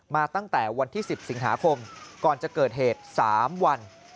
มาตั้งแต่วันที่๑๐สิงหาคมก่อนจะเกิดเหตุ๓วัน